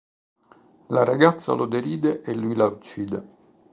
La ragazza lo deride e lui la uccide.